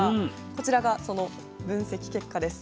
こちらがその分析結果です。